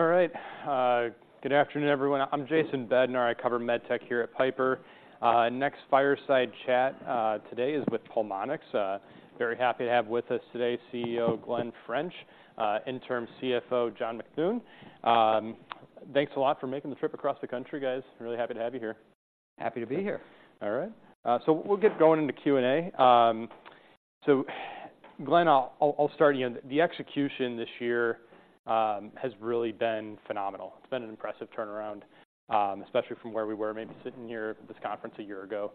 All right. Good afternoon, everyone. I'm Jason Bednar. I cover med tech here at Piper. Next fireside chat today is with Pulmonx. VeRy happy to have with us today CEO Glen French, Interim CFO, John McKune. Thanks a lot for making the trip across the country, guys. Really happy to have you here. Happy to be here. All right. So we'll get going into Q&A. So Glen, I'll start you. The execution this year has really been phenomenal. It's been an impressive turnaround, especially from where we were maybe sitting here at this conference a year ago.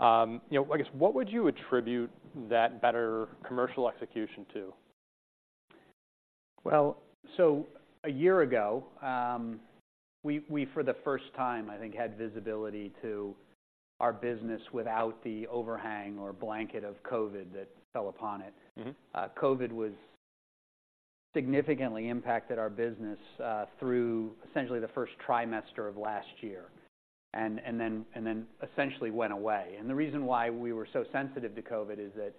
You know, I guess, what would you attribute that better commercial execution to? Well, so a year ago, we, for the first time, I think, had visibility to our business without the overhang or blanket of COVID that fell upon it. Mm-hmm. COVID was significantly impacted our business through essentially the first trimester of last year and then essentially went away. And the reason why we were so sensitive to COVID is that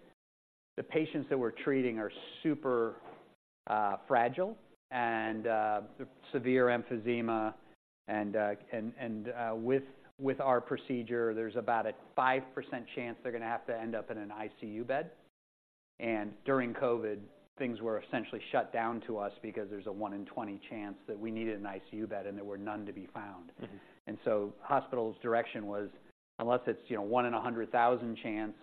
the patients that we're treating are super fragile and severe emphysema, and with our procedure, there's about a 5% chance they're gonna have to end up in an ICU bed. And during COVID, things were essentially shut down to us because there's a 1 in 20 chance that we needed an ICU bed, and there were none to be found. Mm-hmm. Hospital's direction was, unless it's, you know, 1 in 100,000 chance,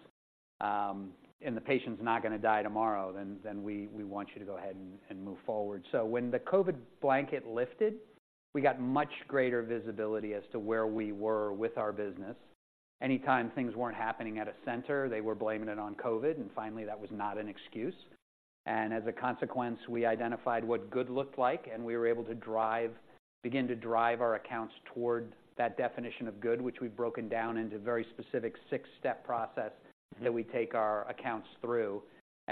and the patient's not gonna die tomorrow, then we want you to go ahead and move forward. When the COVID blanket lifted, we got much greater visibility as to where we were with our business. Anytime things weren't happening at a center, they were blaming it on COVID, and finally, that was not an excuse. As a consequence, we identified what good looked like, and we were able to begin to drive our accounts toward that definition of good, which we've broken down into a very specific six-step process. Mm-hmm... that we take our accounts through.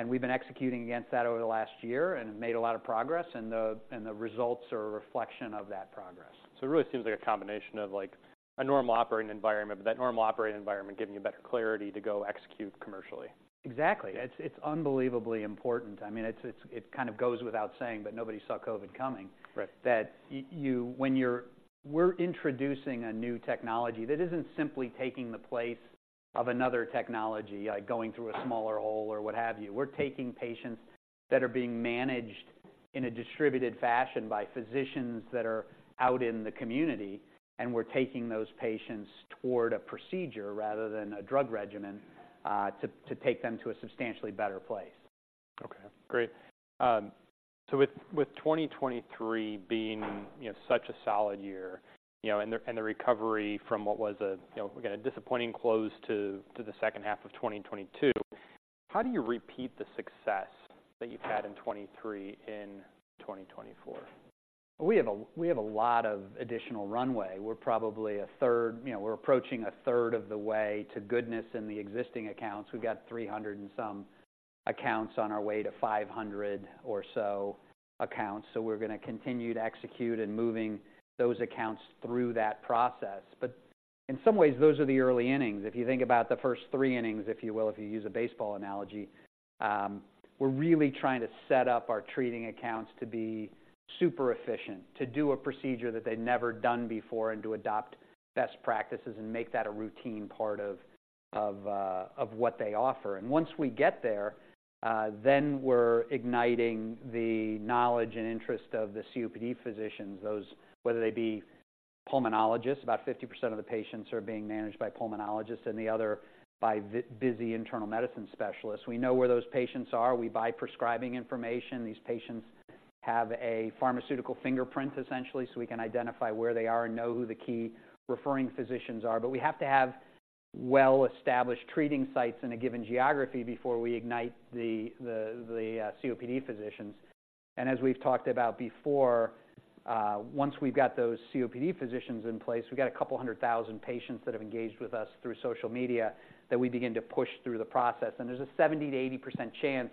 We've been executing against that over the last year and have made a lot of progress, and the results are a reflection of that progress. It really seems like a combination of, like, a normal operating environment, but that normal operating environment giving you better clarity to go execute commercially. Exactly. It's unbelievably important. I mean, it kind of goes without saying, but nobody saw COVID coming- Right... that you, when we're introducing a new technology, that isn't simply taking the place of another technology, like going through a smaller hole or what have you. We're taking patients that are being managed in a distributed fashion by physicians that are out in the community, and we're taking those patients toward a procedure rather than a drug regimen, to take them to a substantially better place. Okay, great. So with 2023 being, you know, such a solid year, you know, and the recovery from what was a, you know, again, a disappointing close to the second half of 2022, how do you repeat the success that you've had in 2023 in 2024? We have a lot of additional runway. We're probably a third... You know, we're approaching a third of the way to goodness in the existing accounts. We've got 300 and some accounts on our way to 500 or so accounts, so we're gonna continue to execute in moving those accounts through that process. But in some ways, those are the early innings. If you think about the first three innings, if you will, if you use a baseball analogy, we're really trying to set up our treating accounts to be super efficient, to do a procedure that they've never done before, and to adopt best practices and make that a routine part of what they offer. Once we get there, then we're igniting the knowledge and interest of the COPD physicians, those, whether they be pulmonologists, about 50% of the patients are being managed by pulmonologists and the other by busy internal medicine specialists. We know where those patients are. We buy prescribing information. These patients have a pharmaceutical fingerprint, essentially, so we can identify where they are and know who the key referring physicians are. But we have to have well-established treating sites in a given geography before we ignite the COPD physicians. As we've talked about before, once we've got those COPD physicians in place, we've got 200,000 patients that have engaged with us through social media that we begin to push through the process. There's a 70%-80% chance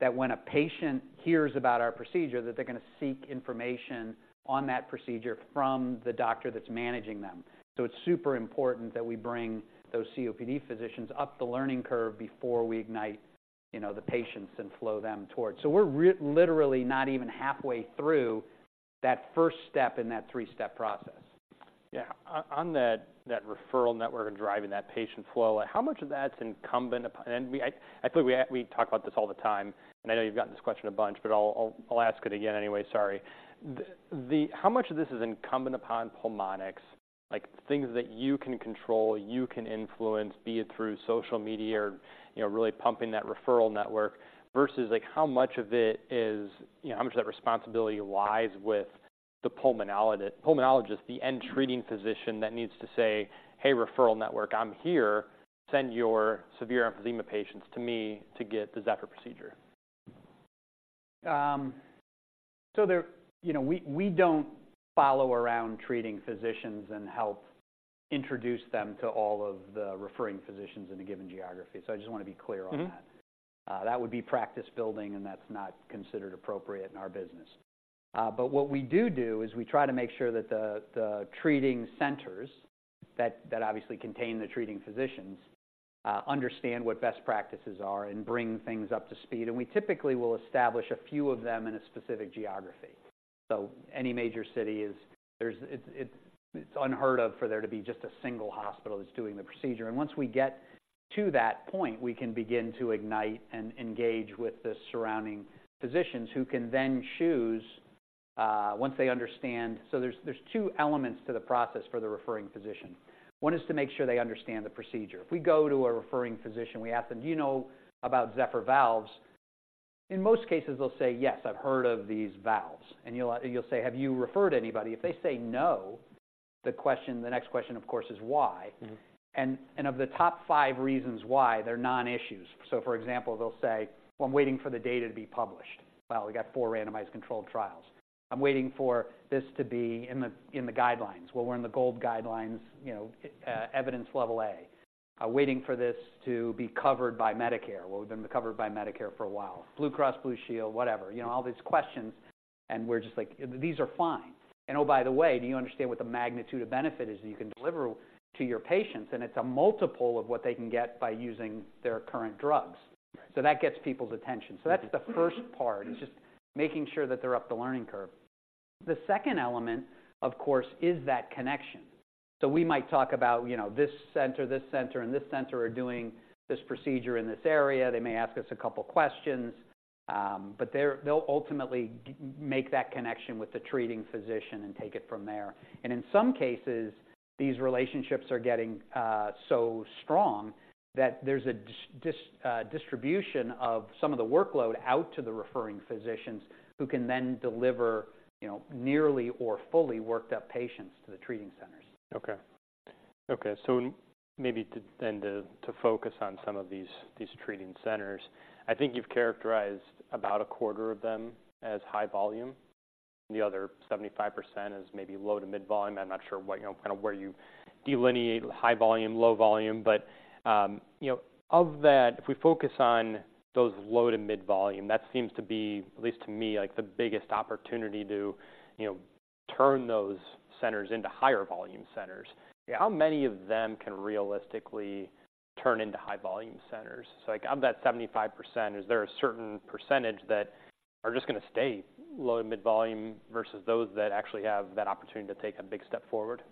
that when a patient hears about our procedure, that they're gonna seek information on that procedure from the doctor that's managing them. So it's super important that we bring those COPD physicians up the learning curve before we ignite, you know, the patients and flow them towards. So we're literally not even halfway through that first step in that three-step process. Yeah. On that referral network and driving that patient flow, how much of that's incumbent upon... And we talk about this all the time, and I know you've gotten this question a bunch, but I'll ask it again anyway, sorry. How much of this is incumbent upon Pulmonx? Like, things that you can control, you can influence, be it through social media or, you know, really pumping that referral network, versus, like, how much of it is, you know, how much of that responsibility lies with the pulmonologist, the end treating physician that needs to say, "Hey, referral network, I'm here. Send your severe emphysema patients to me to get the Zephyr procedure? So, you know, we, we don't follow around treating physicians and help introduce them to all of the referring physicians in a given geography. So I just want to be clear on that. Mm-hmm. That would be practice building, and that's not considered appropriate in our business. But what we do do is we try to make sure that the treating centers that obviously contain the treating physicians understand what best practices are and bring things up to speed. And we typically will establish a few of them in a specific geography. So any major city is. It's unheard of for there to be just a single hospital that's doing the procedure. And once we get to that point, we can begin to ignite and engage with the surrounding physicians, who can then choose once they understand. So there's two elements to the process for the referring physician. One is to make sure they understand the procedure. If we go to a referring physician, we ask them: "Do you know about Zephyr valves?" In most cases, they'll say, "Yes, I've heard of these valves." And you'll say, "Have you referred anybody?" If they say no, the question, the next question, of course, is why. Mm-hmm. Of the top five reasons why, they're non-issues. So, for example, they'll say, "Well, I'm waiting for the data to be published." Well, we got 4 randomized controlled trials. "I'm waiting for this to be in the guidelines." Well, we're in the GOLD guidelines, you know, evidence level A. Waiting for this to be covered by Medicare. Well, we've been covered by Medicare for a while. Blue Cross Blue Shield, whatever, you know, all these questions, and we're just like, "These are fine. And oh, by the way, do you understand what the magnitude of benefit is that you can deliver to your patients? And it's a multiple of what they can get by using their current drugs. Right. That gets people's attention. Mm-hmm. So that's the first part- Mm-hmm. is just making sure that they're up the learning curve. The second element, of course, is that connection. So we might talk about, you know, this center, this center, and this center are doing this procedure in this area. They may ask us a couple questions, but they'll ultimately make that connection with the treating physician and take it from there. And in some cases, these relationships are getting so strong that there's a distribution of some of the workload out to the referring physicians, who can then deliver, you know, nearly or fully worked-up patients to the treating centers. Okay. So maybe to focus on some of these treating centers, I think you've characterized about a quarter of them as high volume, and the other 75% as maybe low to mid volume. I'm not sure what, you know, kind of where you delineate high volume, low volume. But, you know, of that, if we focus on those low to mid volume, that seems to be, at least to me, like, the biggest opportunity to, you know, turn those centers into higher volume centers. How many of them can realistically turn into high volume centers? So, like, of that 75%, is there a certain percentage that are just gonna stay low to mid volume versus those that actually have that opportunity to take a big step forward?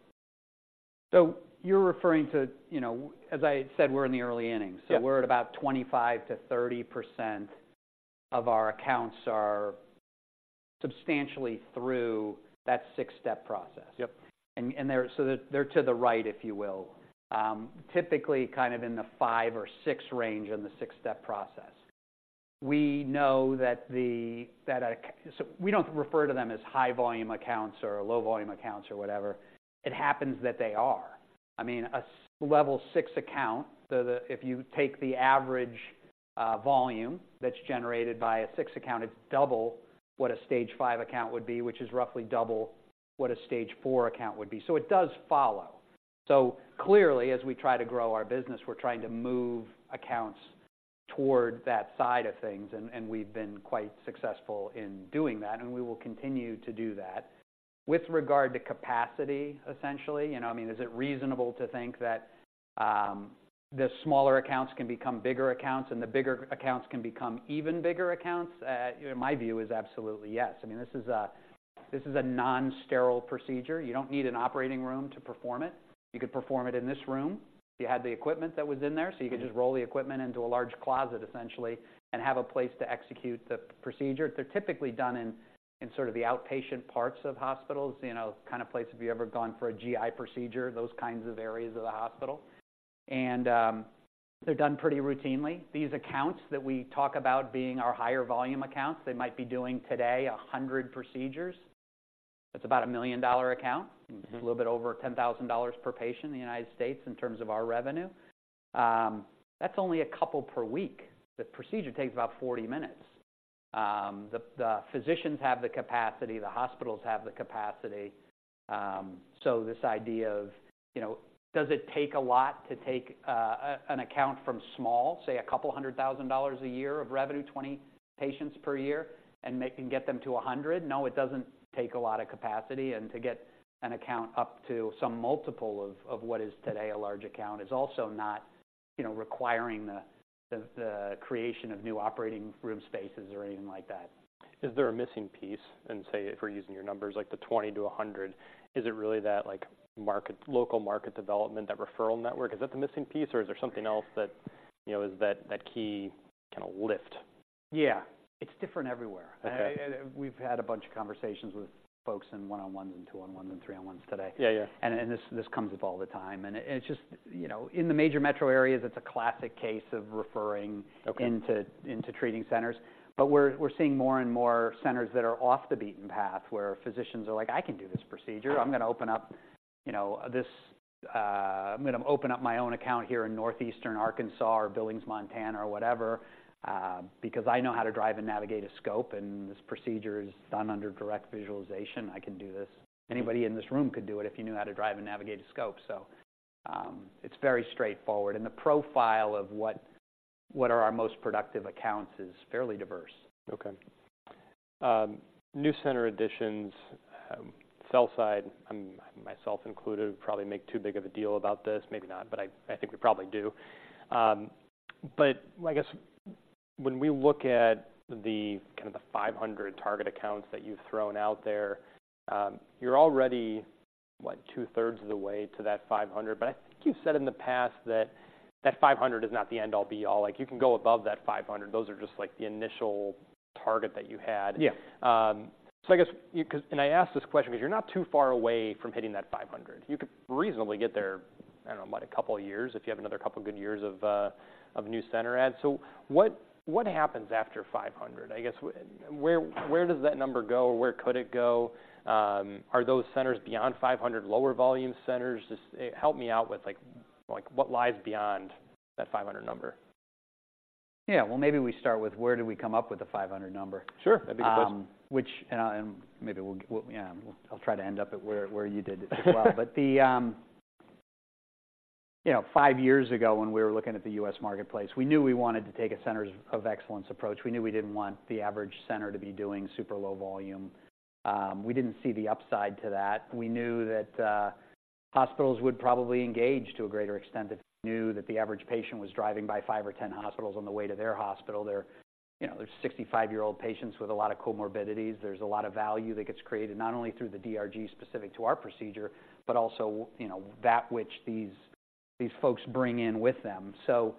You're referring to, you know, as I said, we're in the early innings. Yep. We're at about 25%-30% of our accounts are substantially through that six-step process. Yep. So they're to the right, if you will, typically kind of in the five or six range in the six-step process. We know that. So we don't refer to them as high volume accounts or low volume accounts or whatever. It happens that they are. I mean, a stage level six account. If you take the average volume that's generated by a six account, it's double what a stage five account would be, which is roughly double what a stage four account would be. So it does follow. So clearly, as we try to grow our business, we're trying to move accounts toward that side of things, and we've been quite successful in doing that, and we will continue to do that. With regard to capacity, essentially, you know, I mean, is it reasonable to think that the smaller accounts can become bigger accounts, and the bigger accounts can become even bigger accounts? You know, my view is absolutely yes. I mean, this is a, this is a non-sterile procedure. You don't need an operating room to perform it. You could perform it in this room if you had the equipment that was in there. Mm-hmm. So you could just roll the equipment into a large closet, essentially, and have a place to execute the procedure. They're typically done in sort of the outpatient parts of hospitals, you know, the kind of place if you've ever gone for a GI procedure, those kinds of areas of the hospital. And they're done pretty routinely. These accounts that we talk about being our higher volume accounts, they might be doing today 100 procedures. That's about a $1 million account. Mm-hmm. A little bit over $10,000 per patient in the United States in terms of our revenue. That's only a couple per week. The procedure takes about 40 minutes. The physicians have the capacity, the hospitals have the capacity. So this idea of, you know, does it take a lot to take an account from small, say, $200,000 a year of revenue, 20 patients per year, and make them get them to 100? No, it doesn't take a lot of capacity, and to get an account up to some multiple of what is today a large account is also not, you know, requiring the creation of new operating room spaces or anything like that. Is there a missing piece? And, say, if we're using your numbers, like the 20-100, is it really that, like, market local market development, that referral network? Is that the missing piece, or is there something else that, you know, is that, that key kind of lift? Yeah, it's different everywhere. Okay. We've had a bunch of conversations with folks in one-on-ones and two-on-ones and three-on-ones today. Yeah, yeah. This comes up all the time, and it's just, you know, in the major metro areas, it's a classic case of referring- Okay... into treating centers. But we're seeing more and more centers that are off the beaten path, where physicians are like: I can do this procedure. I'm gonna open up, you know, this... I'm gonna open up my own account here in northeastern Arkansas or Billings, Montana, or whatever, because I know how to drive and navigate a scope, and this procedure is done under direct visualization. I can do this. Anybody in this room could do it if you knew how to drive and navigate a scope. So, it's very straightforward, and the profile of what are our most productive accounts is fairly diverse. Okay. New center additions, sell side, myself included, probably make too big of a deal about this. Maybe not, but I think we probably do. But I guess when we look at the kind of the 500 target accounts that you've thrown out there, you're already, what? Two-thirds of the way to that 500. But I think you've said in the past that that 500 is not the end-all, be-all. Like, you can go above that 500. Those are just, like, the initial target that you had. Yeah. So I guess, you could, and I ask this question because you're not too far away from hitting that 500. You could reasonably get there, I don't know, in what? A couple of years, if you have another couple of good years of new center adds. So what, what happens after 500? I guess, where, where does that number go, or where could it go? Are those centers beyond 500 lower volume centers? Just help me out with, like, like, what lies beyond that 500 number. Yeah, well, maybe we start with where do we come up with the 500 number? Sure, that'd be a good place. Yeah, I'll try to end up at where you did as well. But the, you know, five years ago, when we were looking at the U.S. marketplace, we knew we wanted to take a centers of excellence approach. We knew we didn't want the average center to be doing super low volume. We didn't see the upside to that. We knew that, hospitals would probably engage to a greater extent if they knew that the average patient was driving by five or 10 hospitals on the way to their hospital. There are, you know, 65-year-old patients with a lot of comorbidities. There's a lot of value that gets created, not only through the DRG specific to our procedure, but also, you know, that which these folks bring in with them. So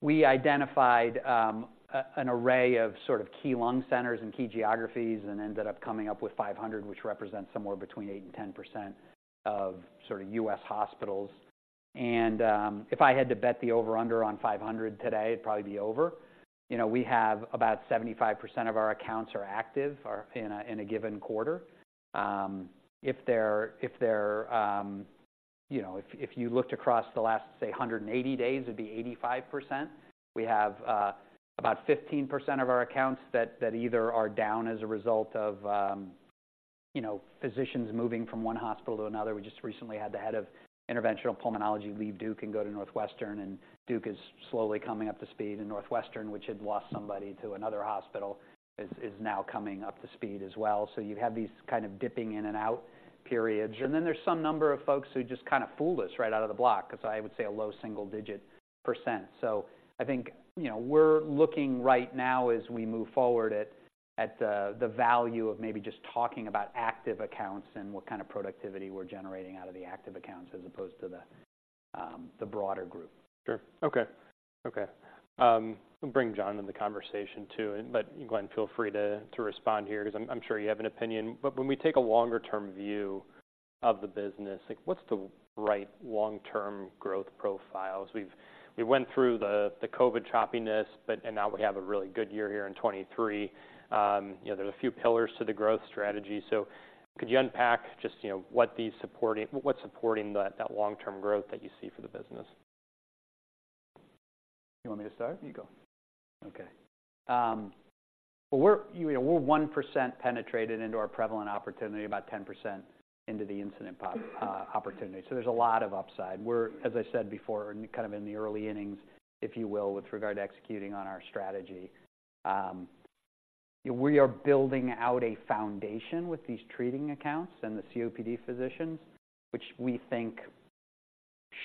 we identified an array of sort of key lung centers and key geographies and ended up coming up with 500, which represents somewhere between 8%-10% of sort of U.S. hospitals. If I had to bet the over-under on 500 today, it'd probably be over. You know, we have about 75% of our accounts are active or in a given quarter. If you looked across the last, say, 180 days, it'd be 85%. We have about 15% of our accounts that either are down as a result of you know, physicians moving from one hospital to another. We just recently had the head of interventional pulmonology leave Duke and go to Northwestern, and Duke is slowly coming up to speed. Northwestern, which had lost somebody to another hospital, is now coming up to speed as well. You have these kind of dipping in and out periods, and then there's some number of folks who just kind of fooled us right out of the block, 'cause I would say a low single-digit %. So I think, you know, we're looking right now as we move forward at the value of maybe just talking about active accounts and what kind of productivity we're generating out of the active accounts, as opposed to the broader group. Sure. Okay. Okay. We'll bring John in the conversation, too, and but, Glen, feel free to respond here because I'm sure you have an opinion. But when we take a longer-term view of the business, like, what's the right long-term growth profiles? We went through the COVID choppiness, but and now we have a really good year here in 2023. You know, there are a few pillars to the growth strategy. So could you unpack just, you know, what's supporting that long-term growth that you see for the business? You want me to start? You go. Okay. Well, we're, you know, we're 1% penetrated into our prevalent opportunity, about 10% into the incident population opportunity. So there's a lot of upside. We're, as I said before, kind of in the early innings, if you will, with regard to executing on our strategy. We are building out a foundation with these treating accounts and the COPD physicians, which we think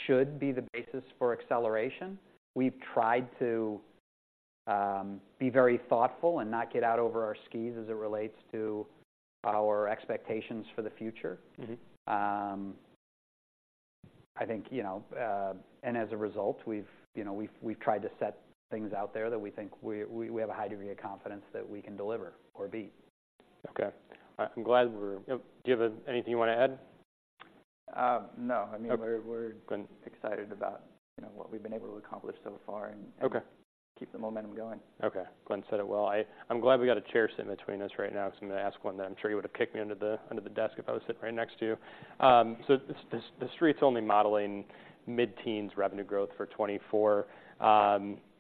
should be the basis for acceleration. We've tried to be very thoughtful and not get out over our skis as it relates to our expectations for the future. Mm-hmm. I think, you know, and as a result, we've, you know, tried to set things out there that we think we have a high degree of confidence that we can deliver or beat. Okay. I'm glad we're. Do you have anything you want to add? No. Okay. I mean, we're. Glen excited about, you know, what we've been able to accomplish so far and. Okay. Keep the momentum going. Okay. Glen said it well. I'm glad we got a chair sitting between us right now, because I'm going to ask one that I'm sure he would have kicked me under the desk if I was sitting right next to you. So the street's only modeling mid-teens revenue growth for 2024. You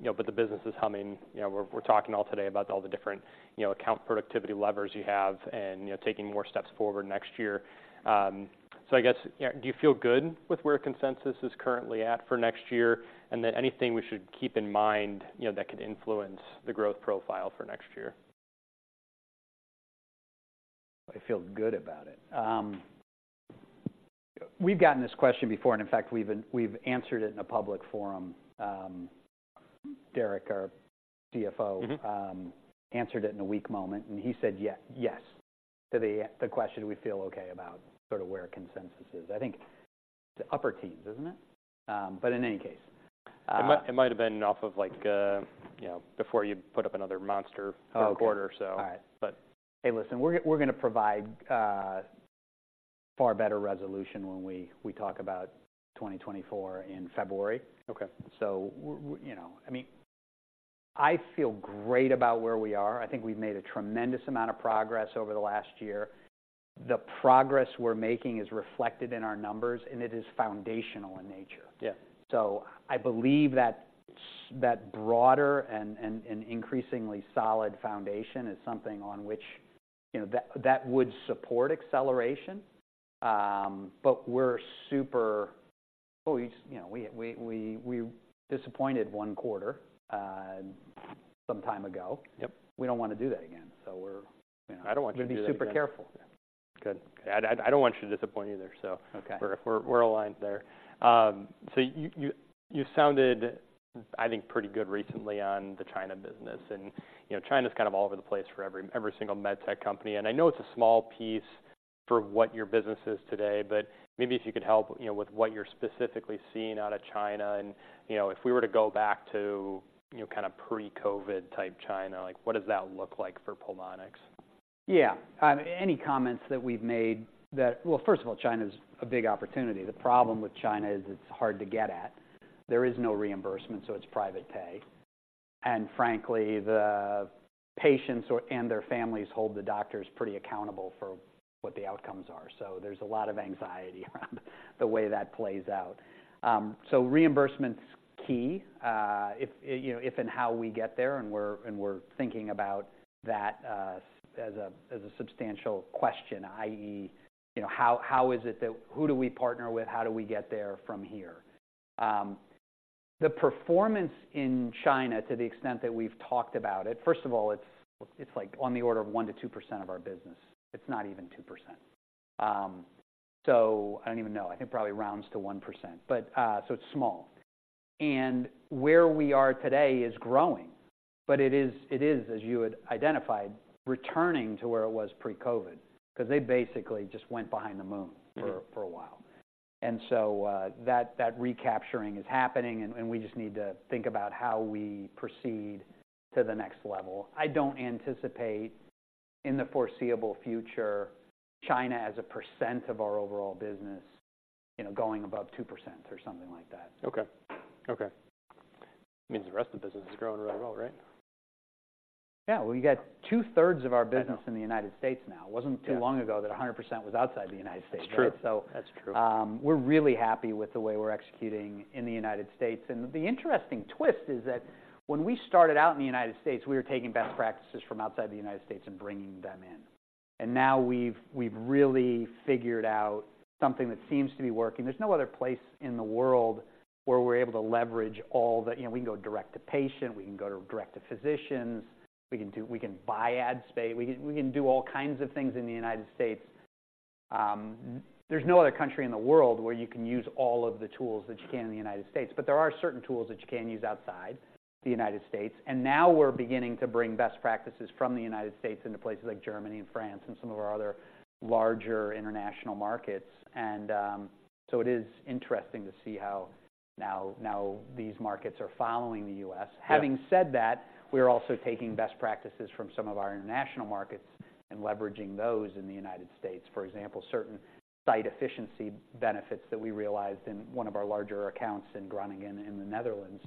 know, but the business is humming. You know, we're talking all today about all the different, you know, account productivity levers you have and, you know, taking more steps forward next year. So I guess, do you feel good with where consensus is currently at for next year? Anything we should keep in mind, you know, that could influence the growth profile for next year? I feel good about it. We've gotten this question before, and in fact, we've answered it in a public forum. Derrick, our CFO- Mm-hmm... answered it in a weak moment, and he said, "Yes, yes," to the question: Do we feel okay about sort of where consensus is? I think the upper teens, isn't it? But in any case, It might have been off of like, you know, before you put up another monster- Okay quarter or so. All right. But- Hey, listen, we're gonna provide far better resolution when we talk about 2024 in February. Okay. So we're, you know... I mean, I feel great about where we are. I think we've made a tremendous amount of progress over the last year. The progress we're making is reflected in our numbers, and it is foundational in nature. Yeah. So I believe that broader and increasingly solid foundation is something on which, you know, that would support acceleration. But we're... Well, we, you know, we disappointed one quarter some time ago. Yep. We don't wanna do that again. So we're, you know- I don't want you to do that. We'll be super careful. Good. I don't want you to disappoint either, so- Okay. We're aligned there. So you sounded, I think, pretty good recently on the China business. You know, China's kind of all over the place for every single med tech company, and I know it's a small piece for what your business is today, but maybe if you could help, you know, with what you're specifically seeing out of China. You know, if we were to go back to, you know, kind of pre-COVID type China, like, what does that look like for Pulmonx? Yeah. Any comments that we've made that— Well, first of all, China's a big opportunity. The problem with China is it's hard to get at. There is no reimbursement, so it's private pay, and frankly, the patients and their families hold the doctors pretty accountable for what the outcomes are. So there's a lot of anxiety around the way that plays out. So reimbursement's key. If, you know, if and how we get there, and we're thinking about that as a substantial question, i.e., you know, how is it that... Who do we partner with? How do we get there from here? The performance in China, to the extent that we've talked about it, first of all, it's like on the order of 1%-2% of our business. It's not even 2%. So I don't even know. I think it probably rounds to 1%, but so it's small. And where we are today is growing, but it is, as you had identified, returning to where it was pre-COVID, 'cause they basically just went behind the moon- Mm-hmm... for a while. And so, that recapturing is happening, and we just need to think about how we proceed to the next level. I don't anticipate, in the foreseeable future, China as a percent of our overall business, you know, going above 2% or something like that. Okay. Okay. Means the rest of the business is growing really well, right? Yeah. Well, we got two-thirds of our business- I know... in the United States now. Yeah. It wasn't too long ago that 100% was outside the United States. It's true. So- That's true... we're really happy with the way we're executing in the United States. And the interesting twist is that when we started out in the United States, we were taking best practices from outside the United States and bringing them in, and now we've really figured out something that seems to be working. There's no other place in the world where we're able to leverage all the... You know, we can go direct to patient, we can go direct to physicians, we can buy ad space. We can do all kinds of things in the United States. There's no other country in the world where you can use all of the tools that you can in the United States, but there are certain tools that you can use outside the United States. Now we're beginning to bring best practices from the United States into places like Germany and France and some of our other larger international markets. And, so it is interesting to see how now, now these markets are following the US. Yeah. Having said that, we're also taking best practices from some of our international markets and leveraging those in the United States. For example, certain site efficiency benefits that we realized in one of our larger accounts in Groningen, in the Netherlands,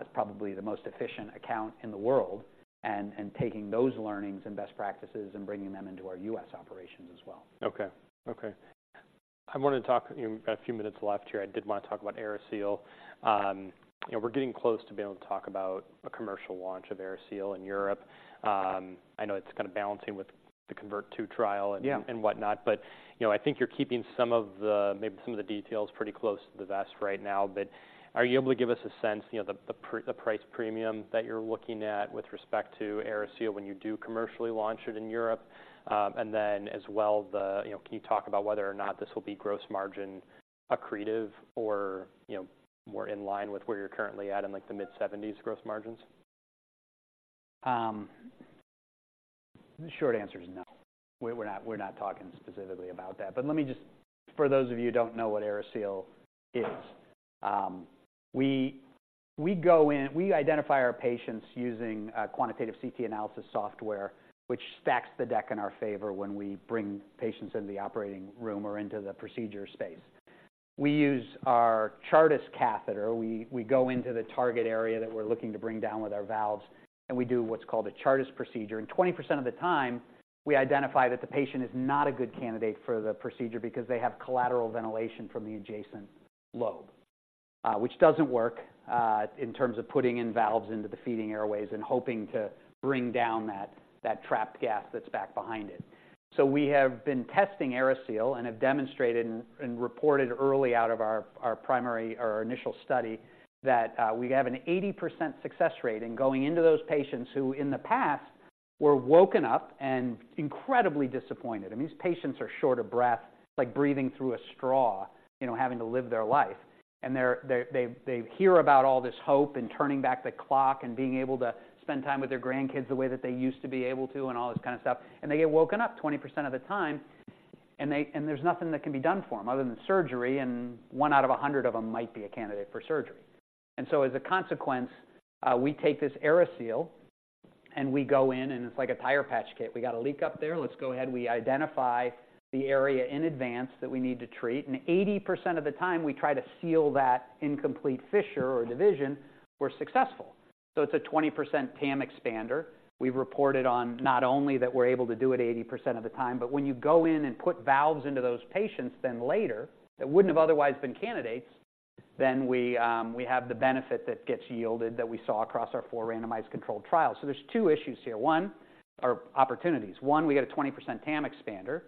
is probably the most efficient account in the world, and taking those learnings and best practices and bringing them into our U.S. operations as well. Okay. Okay. I wanted to talk, you know, a few minutes left here. I did wanna talk about AeriSeal. You know, we're getting close to being able to talk about a commercial launch of AeriSeal in Europe. I know it's kind of balancing with the CONVERT-II trial- Yeah... and whatnot, but, you know, I think you're keeping some of the, maybe some of the details pretty close to the vest right now. But are you able to give us a sense, you know, the price premium that you're looking at with respect to AeriSeal when you do commercially launch it in Europe? And then as well, you know, can you talk about whether or not this will be gross margin accretive or, you know, more in line with where you're currently at in, like, the mid-seventies gross margins? The short answer is no. We're, we're not, we're not talking specifically about that. But let me just—for those of you who don't know what AeriSeal is, we go in, we identify our patients using a quantitative CT analysis software, which stacks the deck in our favor when we bring patients into the operating room or into the procedure space. We use our Chartis catheter. We go into the target area that we're looking to bring down with our valves, and we do what's called a Chartis procedure. And 20% of the time, we identify that the patient is not a good candidate for the procedure because they have collateral ventilation from the adjacent lobe, which doesn't work, in terms of putting in valves into the feeding airways and hoping to bring down that, that trapped gas that's back behind it. So we have been testing AeriSeal and have demonstrated and reported early out of our primary or our initial study, that we have an 80% success rate in going into those patients who, in the past, were woken up and incredibly disappointed. I mean, these patients are short of breath, like breathing through a straw, you know, having to live their life. And they're they hear about all this hope and turning back the clock and being able to spend time with their grandkids the way that they used to be able to and all this kind of stuff, and they get woken up 20% of the time, and there's nothing that can be done for them other than surgery, and 1 out of 100 of them might be a candidate for surgery. And so, as a consequence, we take this AeriSeal, and we go in, and it's like a tire patch kit. We got a leak up there, let's go ahead. We identify the area in advance that we need to treat, and 80% of the time, we try to seal that incomplete fissure or division, we're successful. So it's a 20% TAM expander. We've reported on not only that we're able to do it 80% of the time, but when you go in and put valves into those patients, then later, that wouldn't have otherwise been candidates, then we have the benefit that gets yielded that we saw across our 4 randomized controlled trials. So there's 2 issues here. One... Or opportunities. One, we get a 20% TAM expander,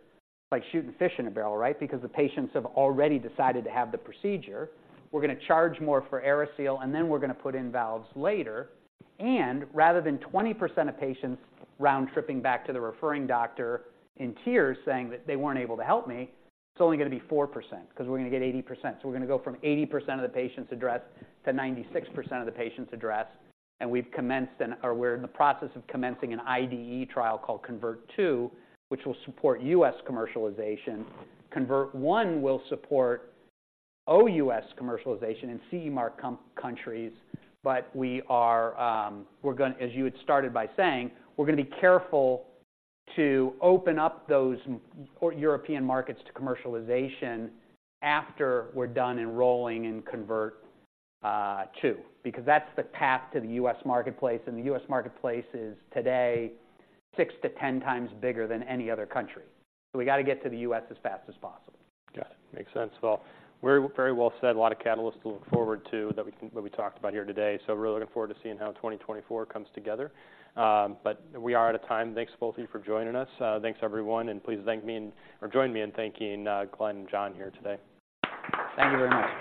like shooting fish in a barrel, right? Because the patients have already decided to have the procedure. We're gonna charge more for AeriSeal, and then we're gonna put in valves later. And rather than 20% of patients round-tripping back to the referring doctor in tears, saying that they weren't able to help me, it's only gonna be 4%, 'cause we're gonna get 80%. So we're gonna go from 80% of the patients addressed to 96% of the patients addressed. And we've commenced or we're in the process of commencing an IDE trial called CONVERT-II, which will support U.S. commercialization. CONVERT-I will support OUS commercialization in CE mark countries, but we are, we're gonna. As you had started by saying, we're gonna be careful to open up those or European markets to commercialization after we're done enrolling in CONVERT-II, because that's the path to the US marketplace, and the US marketplace is today 6-10 times bigger than any other country. So we gotta get to the US as fast as possible. Got it. Makes sense. Well, very, very well said. A lot of catalysts to look forward to that we talked about here today. So we're really looking forward to seeing how 2024 comes together. But we are out of time. Thanks to both of you for joining us. Thanks, everyone, and please thank me, and/or join me in thanking, Glen and John here today. Thank you very much.